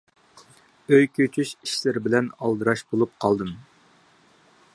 ئۆي كۆچۈش ئىشلىرى بىلەن ئالدىراش بولۇپ قالدىم.